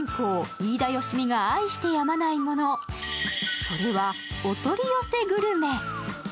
飯田好実が愛してやまないものそれはお取り寄せグルメ。